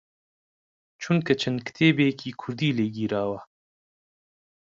چونکە چەند کتێبێکی کوردی لێ گیراوە